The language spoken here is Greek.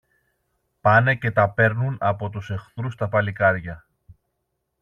πάνε και τα παίρνουν από τους εχθρούς τα παλικάρια